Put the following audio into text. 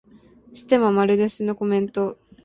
ステマ丸出しのコメント